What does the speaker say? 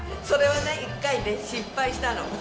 それはね１回ね失敗したの。